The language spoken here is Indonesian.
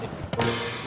ada yang kecilan